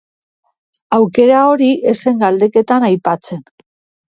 Aukera hori ez zen galdeketan aipatzen.